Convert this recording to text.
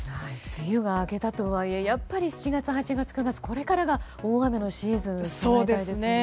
梅雨が明けたとはいえ７月、８月、９月これからが大雨のシーズンですね。